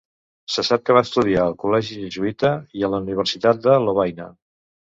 Se sap que va estudiar al col·legi jesuïta i a la Universitat de Lovaina.